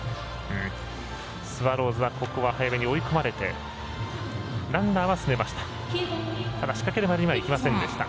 スワローズは早めに追い込まれてランナーは進めました。